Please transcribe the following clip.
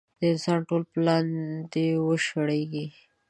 د انسان ټول پلان دې وشړېږي.